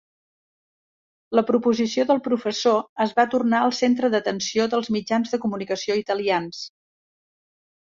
La proposició del professor es va tornar el centre d'atenció dels mitjans de comunicació italians.